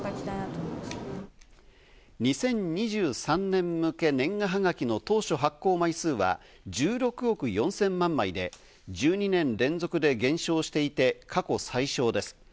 ２０２３年向け年賀はがきの当初発行枚数は１６億４０００万枚で、１２年連続で減少していて過去最少です。